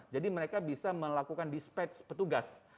mereka bisa melakukan dispatch petugas